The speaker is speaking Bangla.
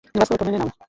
বাস্তবতা মেনে নাও।